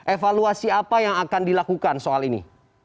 evaluasi apa yang akan dilakukan soal ini